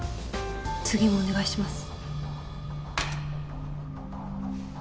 次もお願いします。